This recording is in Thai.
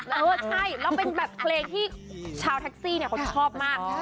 เออใช่แล้วเป็นแบบเพลงที่ชาวแท็กซี่เนี่ยเขาชอบมาก